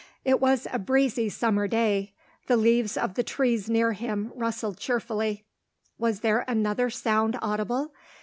It was a breezy summer day; the leaves of the trees near him rustled cheerfully. Was there another sound audible?